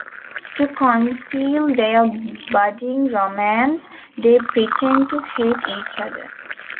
To conceal their budding romance they pretend to hate each other.